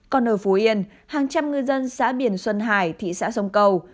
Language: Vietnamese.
còn ở phú yên hàng trăm ngư dân xã biển xuân hải thị xã sông cầu